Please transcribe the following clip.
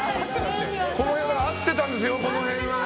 合ってたんですよ、この辺は。